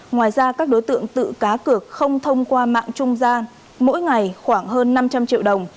ngoài ra các đối tượng tự cá cược không thông qua mạng trung gian mỗi ngày khoảng hơn năm trăm linh triệu đồng